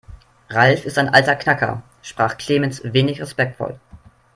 "Ralf ist ein alter Knacker", sprach Clemens wenig respektvoll.